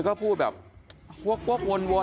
ก็พูดแบบวกวน